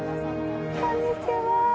こんにちは。